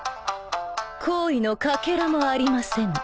好意のかけらもありませぬ。